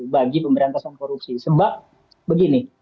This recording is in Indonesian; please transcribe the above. bagi pemberantasan korupsi sebab begini